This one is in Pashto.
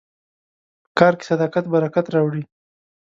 په کار کې صداقت برکت راوړي.